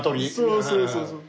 そうそうそうそう。